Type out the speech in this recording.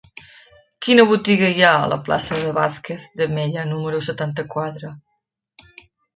Quina botiga hi ha a la plaça de Vázquez de Mella número setanta-quatre?